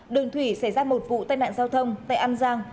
đường thủy xảy ra một vụ tai nạn giao thông tại an giang